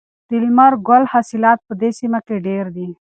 د لمر ګل حاصلات په دې سیمه کې ډیر دي.